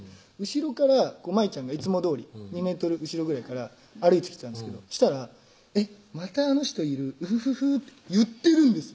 後ろから舞ちゃんがいつもどおり２ｍ後ろぐらいから歩いてきたんですけどしたら「またあの人いるウフフフ」って言ってるんです